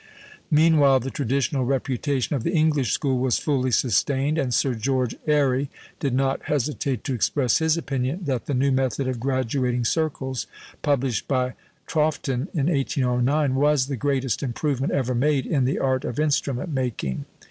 Meanwhile the traditional reputation of the English school was fully sustained; and Sir George Airy did not hesitate to express his opinion that the new method of graduating circles, published by Troughton in 1809, was the "greatest improvement ever made in the art of instrument making."